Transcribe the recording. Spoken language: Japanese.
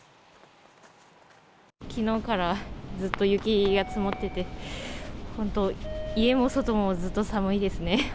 きのうからずっと雪が積もってて、本当、家も外もずっと寒いですね。